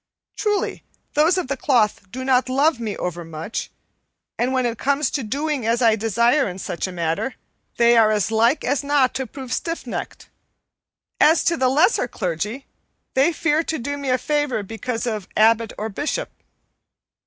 Truly, those of the cloth do not love me overmuch, and when it comes to doing as I desire in such a matter, they are as like as not to prove stiff necked. As to the lesser clergy, they fear to do me a favor because of abbot or bishop.